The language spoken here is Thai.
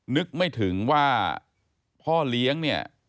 นึกไม่ถึงว่าพ่อเลี้ยงเนี่ย